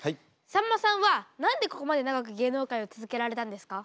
さんまさんは何でここまで長く芸能界を続けられたんですか？